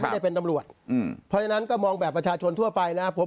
ไม่ได้เป็นตำรวจอืมเพราะฉะนั้นก็มองแบบประชาชนทั่วไปนะครับผม